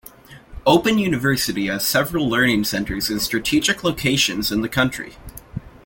Open University has several Learning Centers in strategic locations in the country.